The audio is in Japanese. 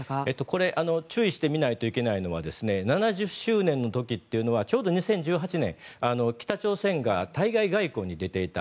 これ注意して見ないといけないのは７０周年の時というのはちょうど２０１８年北朝鮮が対外外交に出ていた。